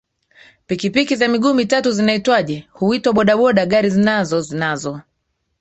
pikipiki za miguu mitatu zinaitwaje huitwa boda boda gari zinazo zinazo